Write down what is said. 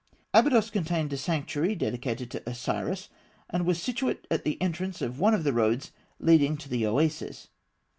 Abydos contained a sanctuary dedicated to Osiris, and was situate at the entrance to one of the roads leading to the Oasis.